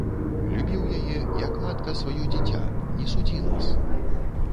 Любіў яе, як матка сваё дзіця, не судзі нас.